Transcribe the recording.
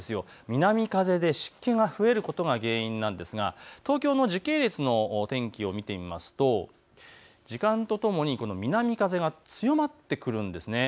南風で湿気が増えることが原因なんですが東京の時系列の天気を見てみますと時間とともに南風が強まってくるんです。